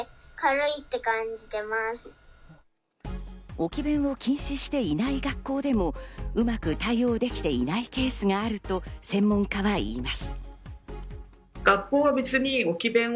置き勉を禁止していない学校でもうまく対応できていないケースがあると専門家はいいます。